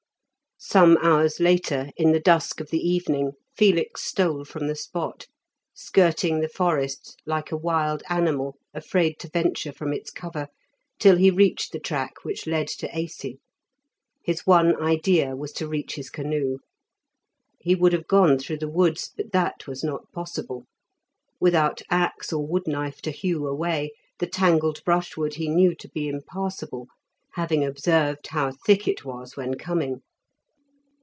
Some hours later, in the dusk of the evening, Felix stole from the spot, skirting the forest like a wild animal afraid to venture from its cover, till he reached the track which led to Aisi. His one idea was to reach his canoe. He would have gone through the woods, but that was not possible. Without axe or wood knife to hew a way, the tangled brushwood he knew to be impassable, having observed how thick it was when coming.